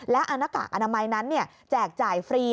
และเอาหน้ากากอนามัยนั้นแจกจ่ายฟรี